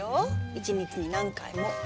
１日に何回も。